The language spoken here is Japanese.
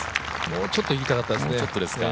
もうちょっといきたかったですね。